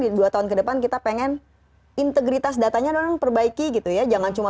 di dua tahun kedepan kita pengen integritas datanya dengan perbaiki gitu ya jangan cuma